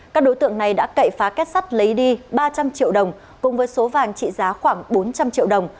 các đối tượng này đã cậy phá kết sắt lấy đi ba trăm linh triệu đồng cùng với số vàng trị giá khoảng bốn trăm linh triệu đồng